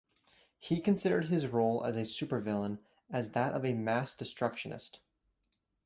He considered his role as a supervillain as that of a "mass-destructionist".